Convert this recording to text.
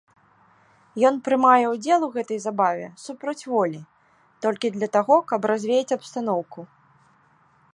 Ён прымае ўдзел у гэтай забаве супраць волі, толькі для таго каб развеяць абстаноўку.